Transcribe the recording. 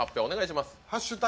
お願いします